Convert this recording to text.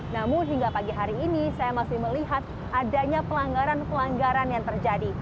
namun hingga pagi hari ini saya masih melihat adanya pelanggaran pelanggaran yang terjadi